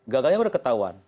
gagalnya sudah ketahuan